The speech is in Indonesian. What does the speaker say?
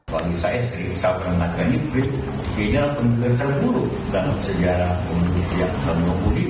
bagi saya sering saya pernah mengatakan ini ini adalah pemilu terburuk dalam sejarah indonesia yang ke dua puluh lima